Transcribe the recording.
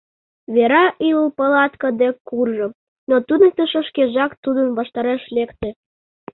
Вера ӱлыл палатка дек куржо, но туныктышо шкежак тудын ваштареш лекте.